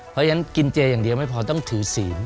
เพราะฉะนั้นกินเจอย่างเดียวไม่พอต้องถือศีล